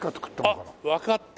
あっわかった！